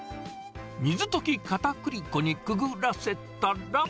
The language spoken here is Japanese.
水溶きかたくり粉にくぐらせたら。